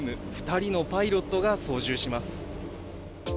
２人のパイロットが操縦します。